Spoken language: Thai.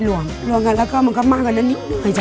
โร่งแบบนั้นเดี๋ยวก็มันก็มากกันได้นิดนึกน้อยจ๋ะ